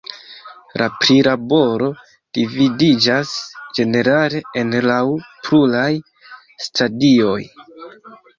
La prilaboro dividiĝas ĝenerale en laŭ pluraj stadioj.